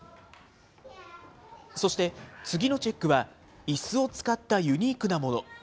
そして、次のチェックは、いすを使ったユニークなもの。